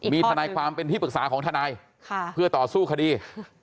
มีทนายความเป็นที่ปรึกษาของทนายเพื่อต่อสู้คดี